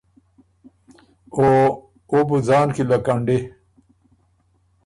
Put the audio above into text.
او او بُو ځان کی لکنډی۔